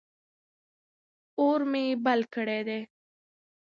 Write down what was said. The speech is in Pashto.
اور مې بل کړی دی.